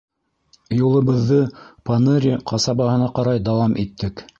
Юлыбыҙҙы Поныри ҡасабаһына ҡарай дауам иттек.